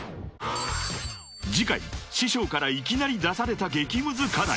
［次回師匠からいきなり出された激ムズ課題］